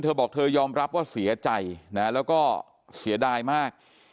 เธอบอกเธอยอมรับว่าเสียใจนะแล้วก็เสียดายมาก